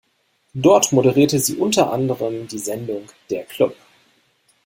Dort moderierte sie unter anderem die Sendung "Der Club".